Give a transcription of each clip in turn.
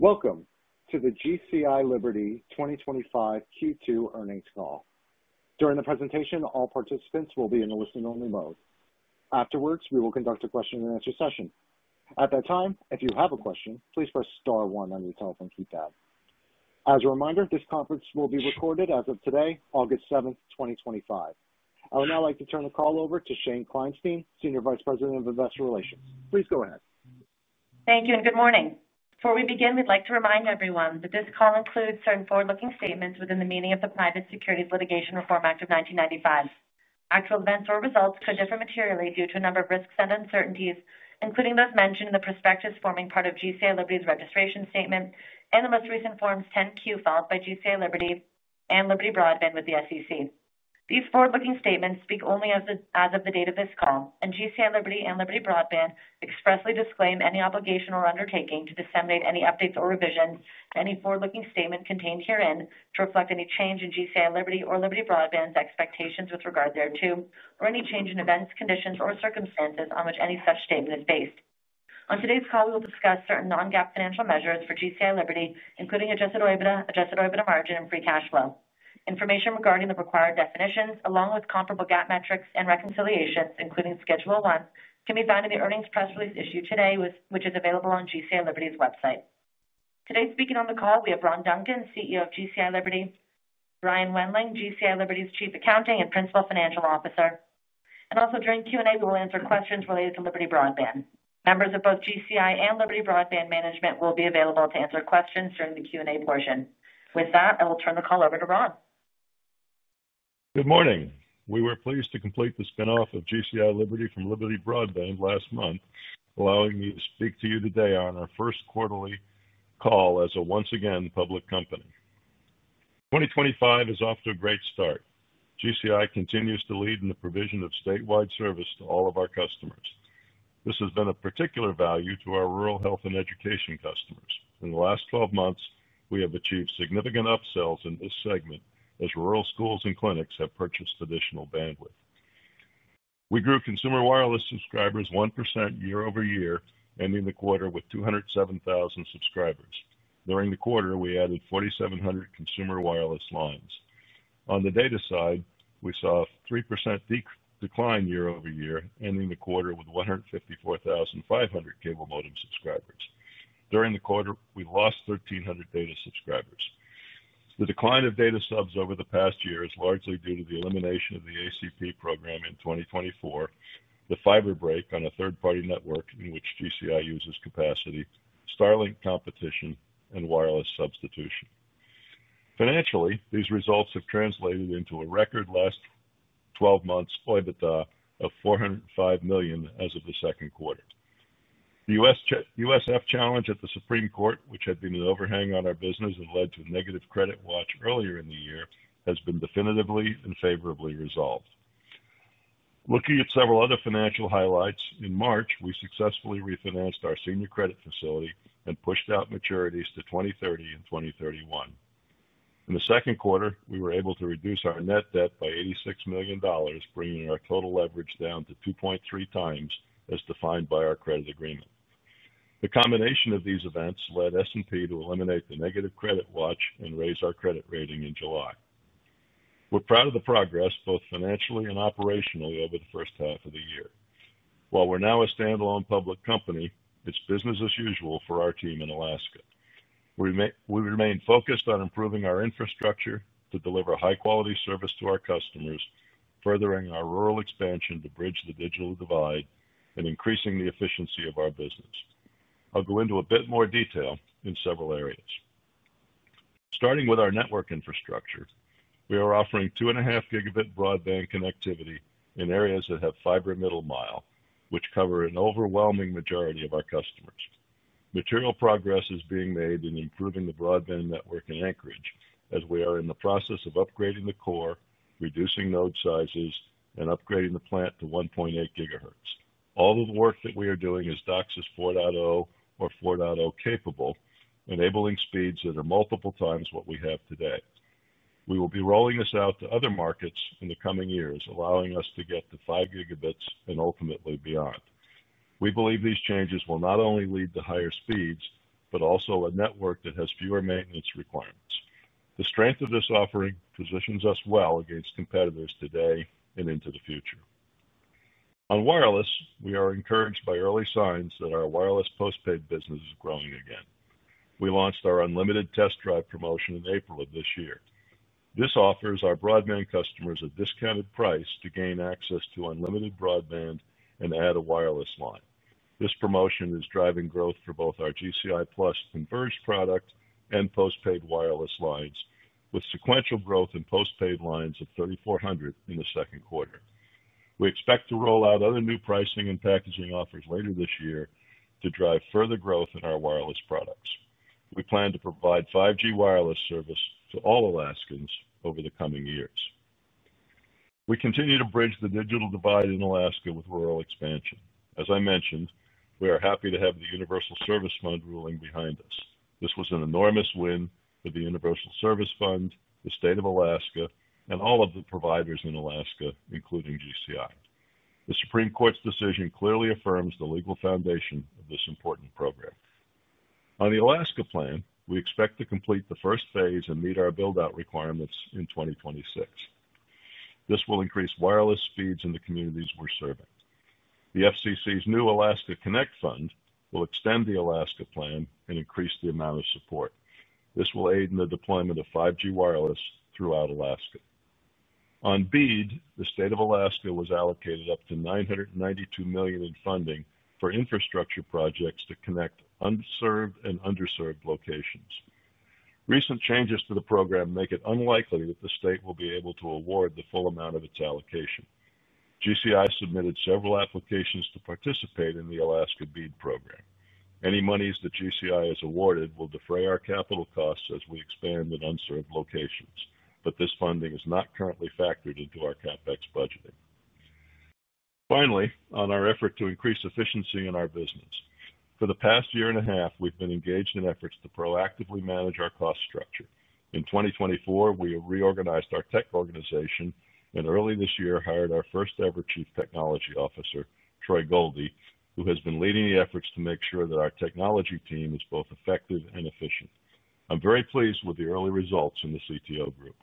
Welcome to the Liberty Broadband Corporation 2025 Q2 Earnings Call. During the presentation, all participants will be in a listening-only mode. Afterwards, we will conduct a question-and-answer session. At that time, if you have a question, please press star one on your telephone keypad. As a reminder, this conference will be recorded as of today, August 7, 2025. I would now like to turn the call over to Shane Kleinstein, Senior Vice President of Investor Relations. Please go ahead. Thank you and good morning. Before we begin, we'd like to remind everyone that this call includes certain forward-looking statements within the meaning of the Private Securities Litigation Reform Act of 1995. Actual events or results could differ materially due to a number of risks and uncertainties, including those mentioned in the prospectus forming part of Liberty Broadband Corporation's registration statement and the most recent Forms 10-Q filed by Liberty Broadband Corporation and GCI Liberty with the SEC. These forward-looking statements speak only as of the date of this call, and Liberty Broadband Corporation and GCI Liberty expressly disclaim any obligation or undertaking to disseminate any updates or revision in any forward-looking statement contained herein to reflect any change in Liberty Broadband Corporation or GCI Liberty's expectations with regard thereto or any change in events, conditions, or circumstances on which any such statement is based. On today's call, we will discuss certain non-GAAP financial measures for Liberty Broadband Corporation, including adjusted EBITDA, adjusted EBITDA margin, and free cash flow. Information regarding the required definitions, along with comparable GAAP metrics and reconciliation, including Schedule 1, can be found in the earnings press release issued today, which is available on Liberty Broadband Corporation's website. Today speaking on the call, we have Ron Duncan, CEO of GCI Liberty; Brian Wendling, GCI Liberty's Chief Accounting and Principal Financial Officer; and also during Q&A, we will answer questions related to Liberty Broadband Corporation. Members of both GCI Liberty and Liberty Broadband Corporation management will be available to answer questions during the Q&A portion. With that, I will turn the call over to Ron. Good morning. We were pleased to complete the spin-off of GCI Liberty from Liberty Broadband Corporation last month, allowing me to speak to you today on our first quarterly call as a once-again public company. 2025 is off to a great start. GCI continues to lead in the provision of statewide service to all of our customers. This has been of particular value to our rural health and education customers. In the last 12 months, we have achieved significant upsells in this segment as rural schools and clinics have purchased additional bandwidth. We grew consumer wireless subscribers 1% year-over-year, ending the quarter with 207,000 subscribers. During the quarter, we added 4,700 consumer wireless lines. On the data side, we saw a 3% decline year-over-year, ending the quarter with 154,500 data modem subscribers. During the quarter, we lost 1,300 data subscribers. The decline of data subs over the past year is largely due to the elimination of the Affordable Connectivity Program in 2024, the fiber break on a third-party network in which GCI uses capacity, Starlink competition, and wireless substitution. Financially, these results have translated into a record last 12 months EBITDA of $405 million as of the second quarter. The Universal Service Fund challenge at the Supreme Court, which had been an overhang on our business and led to a negative credit watch earlier in the year, has been definitively and favorably resolved. Looking at several other financial highlights, in March, we successfully refinanced our senior credit facility and pushed out maturities to 2030 and 2031. In the second quarter, we were able to reduce our net debt by $86 million, bringing our total leverage down to 2.3 times as defined by our credit agreement. The combination of these events led S&P to eliminate the negative credit watch and raise our credit rating in July. We're proud of the progress, both financially and operationally, over the first half of the year. While we're now a standalone public company, it's business as usual for our team in Alaska. We remain focused on improving our infrastructure to deliver high-quality service to our customers, furthering our rural expansion to bridge the digital divide, and increasing the efficiency of our business. I'll go into a bit more detail in several areas. Starting with our network infrastructure, we are offering 2.5 Gb broadband connectivity in areas that have fiber middle mile, which cover an overwhelming majority of our customers. Material progress is being made in improving the broadband network in Anchorage, as we are in the process of upgrading the core, reducing node sizes, and upgrading the plant to 1.8 GHz. All of the work that we are doing is DOCSIS 4.0 or 4.0 capable, enabling speeds that are multiple times what we have today. We will be rolling this out to other markets in the coming years, allowing us to get to 5 Gb and ultimately beyond. We believe these changes will not only lead to higher speeds, but also a network that has fewer maintenance requirements. The strength of this offering positions us well against competitors today and into the future. On wireless, we are encouraged by early signs that our wireless postpaid business is growing again. We launched our unlimited test drive promotion in April of this year. This offers our broadband customers a discounted price to gain access to unlimited broadband and add a wireless line. This promotion is driving growth for both our GCI Plus converged product and postpaid wireless lines, with sequential growth in postpaid lines of 3,400 in the second quarter. We expect to roll out other new pricing and packaging offers later this year to drive further growth in our wireless products. We plan to provide 5G wireless service to all Alaskans over the coming years. We continue to bridge the digital divide in Alaska with rural expansion. As I mentioned, we are happy to have the Universal Service Fund ruling behind us. This was an enormous win for the Universal Service Fund, the state of Alaska, and all of the providers in Alaska, including GCI. The Supreme Court's decision clearly affirms the legal foundation of this important program. On the Alaska plan, we expect to complete the first phase and meet our build-out requirements in 2026. This will increase wireless speeds in the communities we're serving. The FCC's new Alaska Connect Fund will extend the Alaska plan and increase the amount of support. This will aid in the deployment of 5G wireless throughout Alaska. On BEAD, the state of Alaska was allocated up to $992 million in funding for infrastructure projects to connect unserved and underserved locations. Recent changes to the program make it unlikely that the state will be able to award the full amount of its allocation. GCI submitted several applications to participate in the Alaska BEAD program. Any monies that GCI has awarded will defray our capital costs as we expand in unserved locations, but this funding is not currently factored into our CapEx budgeting. Finally, on our effort to increase efficiency in our business. For the past year and a half, we've been engaged in efforts to proactively manage our cost structure. In 2024, we reorganized our tech organization and early this year hired our first-ever Chief Technology Officer, Troy Goldie, who has been leading the efforts to make sure that our technology team is both effective and efficient. I'm very pleased with the early results in the CTO group.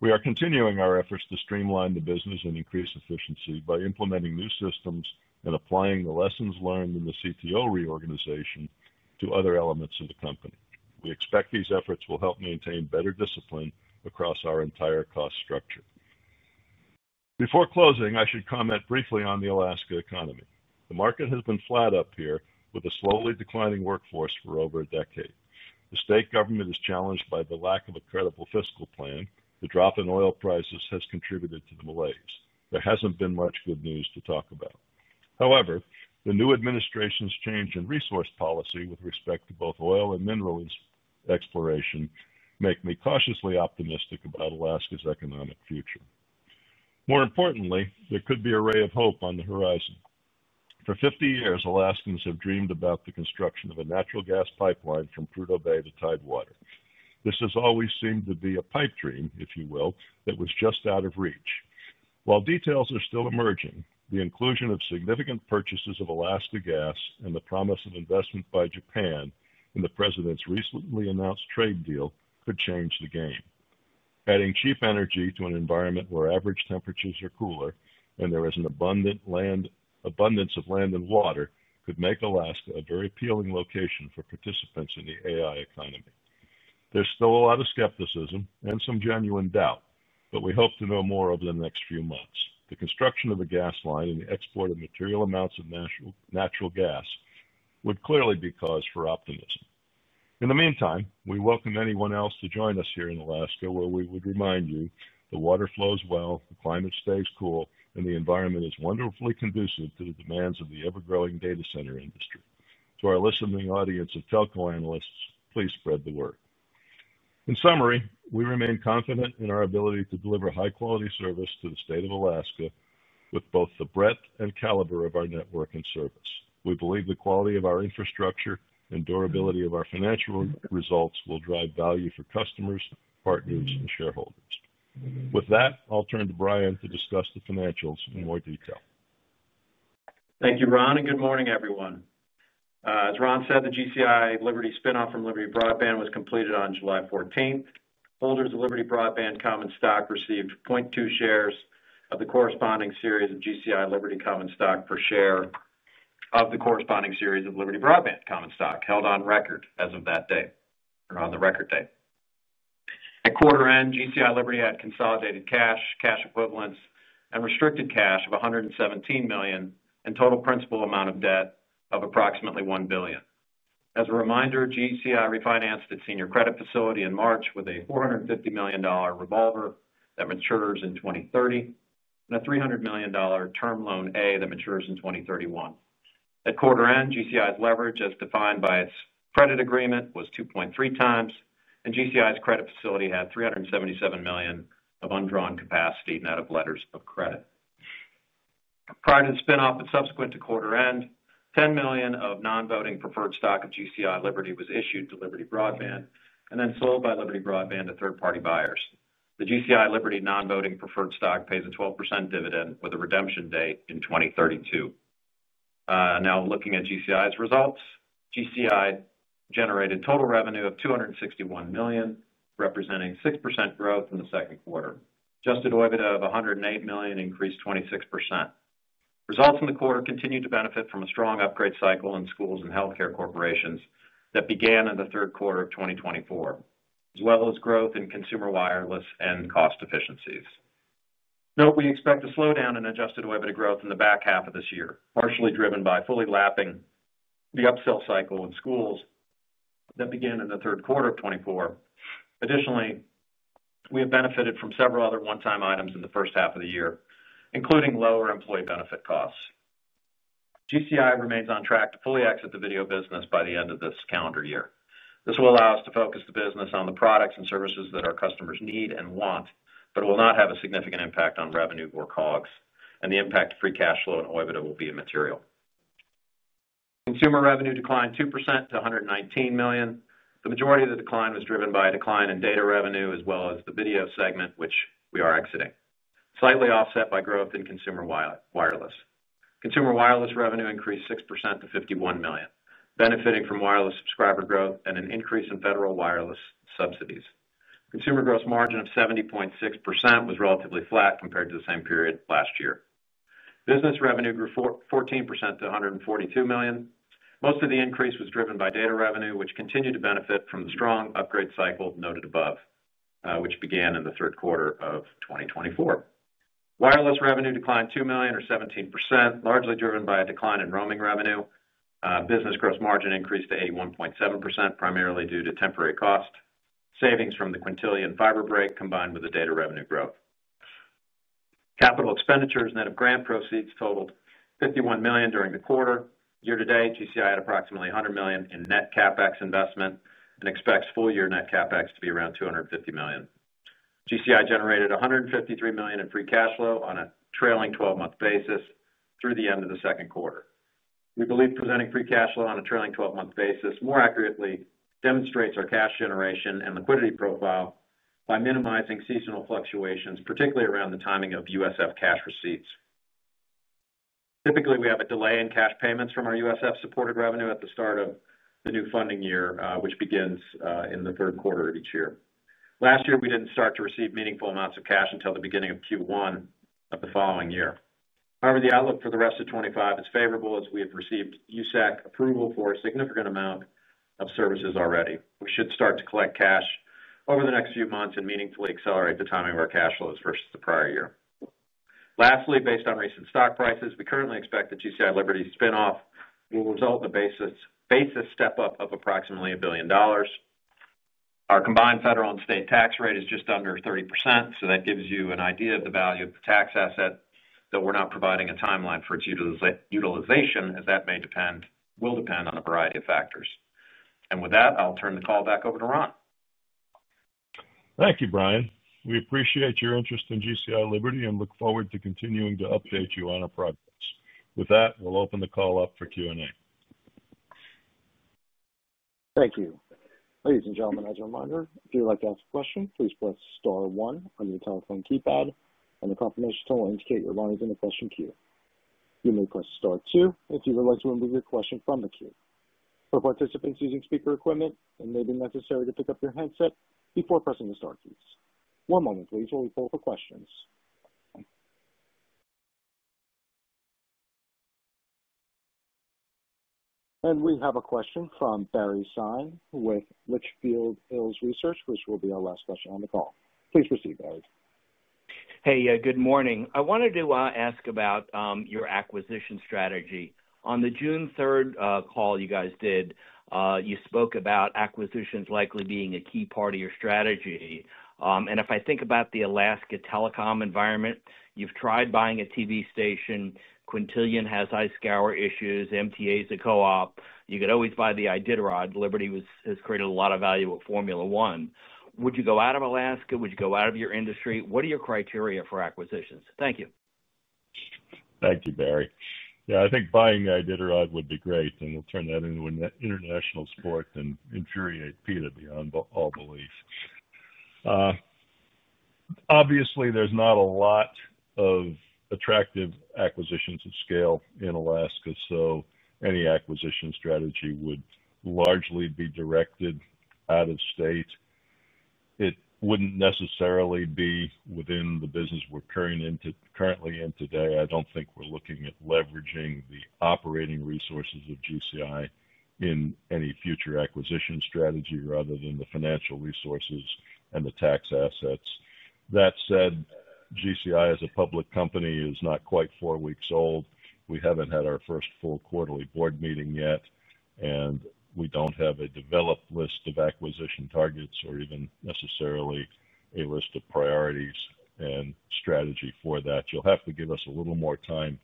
We are continuing our efforts to streamline the business and increase efficiency by implementing new systems and applying the lessons learned in the CTO reorganization to other elements of the company. We expect these efforts will help maintain better discipline across our entire cost structure. Before closing, I should comment briefly on the Alaska economy. The market has been flat up here with a slowly declining workforce for over a decade. The state government is challenged by the lack of a credible fiscal plan. The drop in oil prices has contributed to the malaise. There hasn't been much good news to talk about. However, the new administration's change in resource policy with respect to both oil and mineral exploration makes me cautiously optimistic about Alaska's economic future. More importantly, there could be a ray of hope on the horizon. For 50 years, Alaskans have dreamed about the construction of a natural gas pipeline from Prudhoe Bay to Tidewater. This has always seemed to be a pipe dream, if you will, that was just out of reach. While details are still emerging, the inclusion of significant purchases of Alaska Gas and the promise of investment by Japan in the president's recently announced trade deal could change the game. Adding cheap energy to an environment where average temperatures are cooler and there is an abundance of land and water could make Alaska a very appealing location for participants in the AI economy. There's still a lot of skepticism and some genuine doubt, but we hope to know more over the next few months. The construction of a gas line and the export of material amounts of natural gas would clearly be cause for optimism. In the meantime, we welcome anyone else to join us here in Alaska, where we would remind you the water flows well, the climate stays cool, and the environment is wonderfully conducive to the demands of the ever-growing data center industry. To our listening audience of telco analysts, please spread the word. In summary, we remain confident in our ability to deliver high-quality service to the state of Alaska with both the breadth and caliber of our network and service. We believe the quality of our infrastructure and durability of our financial results will drive value for customers, partners, and shareholders. With that, I'll turn to Brian Wendling to discuss the financials in more detail. Thank you, Ron, and good morning, everyone. As Ron said, the GCI Liberty spin-off from Liberty Broadband Corporation was completed on July 14, 2024. Holders of Liberty Broadband Corporation Common Stock received 0.2 shares of the corresponding series of GCI Liberty Common Stock per share of the corresponding series of Liberty Broadband Corporation Common Stock held on record as of that day or on the record day. At quarter end, GCI Liberty had consolidated cash, cash equivalents, and restricted cash of $117 million and total principal amount of debt of approximately $1 billion. As a reminder, GCI refinanced its senior credit facility in March with a $450 million revolver that matures in 2030 and a $300 million term loan A that matures in 2031. At quarter end, GCI's leverage, as defined by its credit agreement, was 2.3 times, and GCI's credit facility had $377 million of undrawn capacity net of letters of credit. Prior to the spin-off, but subsequent to quarter end, $10 million of non-voting preferred stock of GCI Liberty was issued to Liberty Broadband Corporation and then sold by Liberty Broadband Corporation to third-party buyers. The GCI Liberty non-voting preferred stock pays a 12% dividend with a redemption date in 2032. Now looking at GCI's results, GCI generated total revenue of $261 million, representing 6% growth in the second quarter. Adjusted EBITDA of $108 million increased 26%. Results in the quarter continue to benefit from a strong upgrade cycle in schools and healthcare corporations that began in the third quarter of 2024, as well as growth in consumer wireless and cost efficiencies. Note, we expect a slowdown in adjusted EBITDA growth in the back half of this year, partially driven by fully lapping the upsell cycle in schools that began in the third quarter of 2024. Additionally, we have benefited from several other one-time items in the first half of the year, including lower employee benefit costs. GCI remains on track to fully exit the video services business by the end of this calendar year. This will allow us to focus the business on the products and services that our customers need and want, but it will not have a significant impact on revenue or COGS, and the impact on free cash flow and EBITDA will be immaterial. Consumer revenue declined 2% to $119 million. The majority of the decline was driven by a decline in data revenue, as well as the video services segment, which we are exiting, slightly offset by growth in consumer wireless. Consumer wireless revenue increased 6% to $51 million, benefiting from wireless subscriber growth and an increase in federal wireless subsidies. Consumer gross margin of 70.6% was relatively flat compared to the same period last year. Business revenue grew 14% to $142 million. Most of the increase was driven by data revenue, which continued to benefit from the strong upgrade cycle noted above, which began in the third quarter of 2024. Wireless revenue declined $2 million or 17%, largely driven by a decline in roaming revenue. Business gross margin increased to 81.7%, primarily due to temporary cost savings from the Quintillion fiber break combined with the data revenue growth. Capital expenditures, net of grant proceeds, totaled $51 million during the quarter. Year to date, Liberty Broadband had approximately $100 million in net CapEx investment and expects full-year net CapEx to be around $250 million. Liberty Broadband generated $153 million in free cash flow on a trailing twelve-month basis through the end of the second quarter. Presenting free cash flow on a trailing twelve-month basis more accurately demonstrates our cash generation and liquidity profile by minimizing seasonal fluctuations, particularly around the timing of USF cash receipts. Typically, we have a delay in cash payments from our USF-supported revenue at the start of the new funding year, which begins in the third quarter of each year. Last year, we didn't start to receive meaningful amounts of cash until the beginning of Q1 of the following year. However, the outlook for the rest of 2025 is favorable as we have received USF approval for a significant amount of services already. We should start to collect cash over the next few months and meaningfully accelerate the timing of our cash flows versus the prior year. Lastly, based on recent stock prices, we currently expect the Liberty Broadband spin-off will result in a basis step up of approximately $1 billion. Our combined federal and state tax rate is just under 30%, so that gives you an idea of the value of the tax asset, though we're not providing a timeline for its utilization, as that may depend, will depend on a variety of factors. I'll turn the call back over to Ron. Thank you, Brian. We appreciate your interest in Liberty Broadband Corporation and look forward to continuing to update you on our progress. With that, we'll open the call up for Q&A. Thank you. Ladies and gentlemen, as a reminder, if you'd like to ask a question, please press star one on your telephone keypad, and the confirmation tool will indicate your line is in the question queue. You may press star two if you would like to remove your question from the queue. For participants using speaker equipment, it may be necessary to pick up your headset before pressing the star keys. One moment, please, while we pull up the questions. We have a question from Barry Sine with Litchfield Hills Research, which will be our last question on the call. Please proceed, Barry. Hey, good morning. I wanted to ask about your acquisition strategy. On the June 3rd call you guys did, you spoke about acquisitions likely being a key part of your strategy. If I think about the Alaska telecom environment, you've tried buying a TV station. Quintillion has [Escrow] issues. MTA is a co-op. You could always buy the [iDITAROD]. Liberty has created a lot of value at Formula One. Would you go out of Alaska? Would you go out of your industry? What are your criteria for acquisitions? Thank you. Thank you, Barry. Yeah, I think buying [iDITAROD would be great, and we'll turn that into an international sport and infuriate Peter beyond all belief. Obviously, there's not a lot of attractive acquisitions at scale in Alaska, so any acquisition strategy would largely be directed out of state. It wouldn't necessarily be within the business we're currently in today. I don't think we're looking at leveraging the operating resources of Liberty Broadband Corporation in any future acquisition strategy rather than the financial resources and the tax assets. That said, Liberty Broadband Corporation as a public company is not quite four weeks old. We haven't had our first full quarterly board meeting yet, and we don't have a developed list of acquisition targets or even necessarily a list of priorities and strategy for that. You'll have to give us a little more time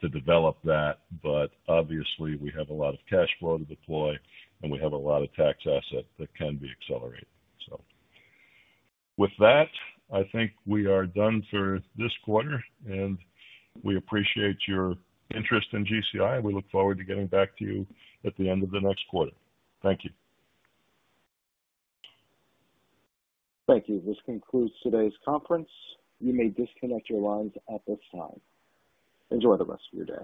to develop that, but obviously, we have a lot of cash flow to deploy, and we have a lot of tax assets that can be accelerated. With that, I think we are done for this quarter, and we appreciate your interest in Liberty Broadband Corporation, and we look forward to getting back to you at the end of the next quarter. Thank you. Thank you. This concludes today's conference. You may disconnect your lines at this time. Enjoy the rest of your day.